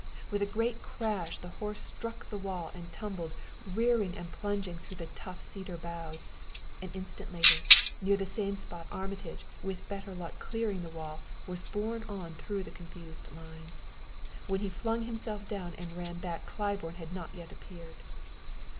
With a great crash the horse struck the wall and tumbled, rearing and plunging, through the tough cedar boughs. An instant later, near the same spot, Armitage, with better luck clearing the wall, was borne on through the confused line. When he flung himself down and ran back Claiborne had not yet appeared.